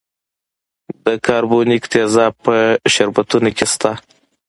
د کاربونیک تیزاب په شربتونو کې شته دی.